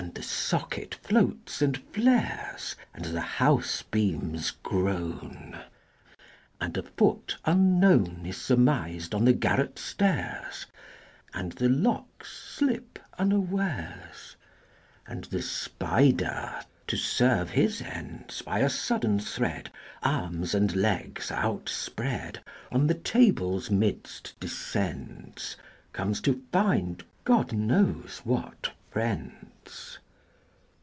And the socket floats and flares, And the house beams groan, And a foot unknown Is surmised on the garret stairs, And the locks slip unawares IV. And the spider, to serve his ends, By a sudden thread, Arms and legs outspread, On the table's midst descends, Comes to find, God knows what friends!